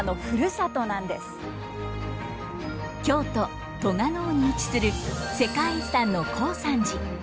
京都・栂尾に位置する世界遺産の高山寺。